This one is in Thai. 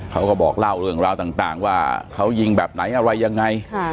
เขาก็บอกเล่าเรื่องราวต่างว่าเขายิงแบบไหนอะไรยังไง